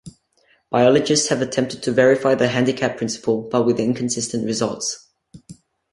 Biologists have attempted to verify the handicap principle, but with inconsistent results.